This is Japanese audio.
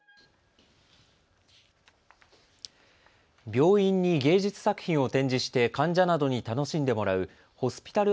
病院に芸術作品を展示して患者などに楽しんでもらうホスピタル